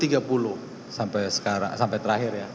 sampai sekarang sampai terakhir ya